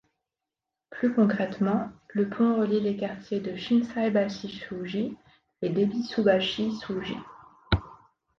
Plus concrètement, le pont relie les quartiers de Shinsaibashi-suji et d'Ebisubashi-suji.